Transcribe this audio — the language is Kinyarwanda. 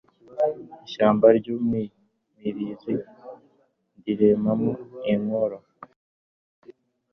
Ishyamba ry'umwimirizi ndiremamo inkor